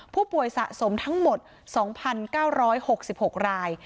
ผู้ป่วยสะสมทั้งหมด๒๙๖๖ราย